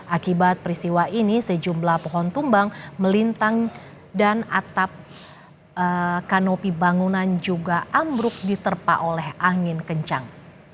akibat peristiwa ini sejumlah pohon tumbang melintang dan atap kanopi bangunan juga ambruk diterpa oleh angin kencang